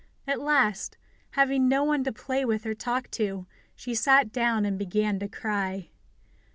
At last, having no one to play with or talk to, she sat down and began to cry.